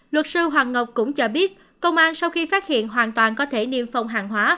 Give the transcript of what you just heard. luật sư hoàng ngọc cũng cho biết công an sau khi phát hiện hoàn toàn có thể niêm phong hàng hóa